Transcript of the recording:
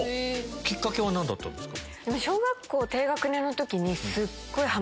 きっかけは何だったんですか？